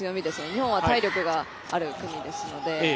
日本は体力がある国ですので。